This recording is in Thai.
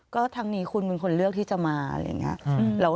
ก็ทางนี้คุณเป็นคนเลือกที่จะมาอะไรอย่างนี้